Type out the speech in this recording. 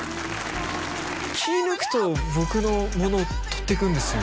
気抜くと僕のものを取ってくんですよ